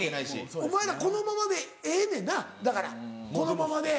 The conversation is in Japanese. お前らこのままでええねんなだからこのままで。